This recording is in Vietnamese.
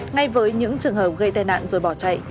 ngay với những trường hợp gây tai nạn rồi bỏ chạy